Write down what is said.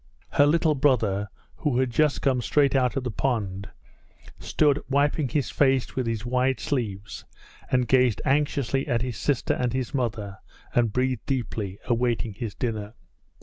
Her little brother, who had just come straight out of the pond, stood wiping his face with his wide sleeves, and gazed anxiously at his sister and his mother and breathed deeply, awaiting his dinner.